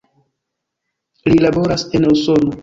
Li laboras en Usono.